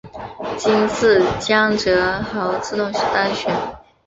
今次江泽濠自动当选。